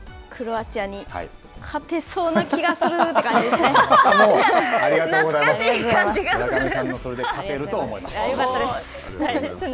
もうこれは、クロアチアに勝てそうな気がするって感じですね。